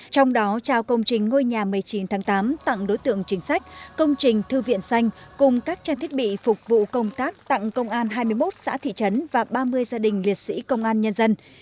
trong đó trao công trình ngôi nhà một mươi chín tháng tám tặng đối tượng chính sách công trình thư viện xanh cùng các trang thiết bị phục vụ công tác tặng công an hai mươi một xã thị trấn và ba mươi gia đình liệt sĩ công an nhân dân